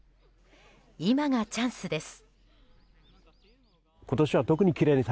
今がチャンスです。